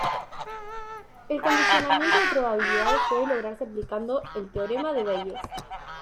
El condicionamiento de probabilidades puede lograrse aplicando el teorema de Bayes.